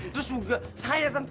terus juga saya tante